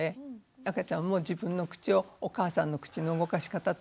赤ちゃんも自分の口をお母さんの口の動かし方と一緒にこう。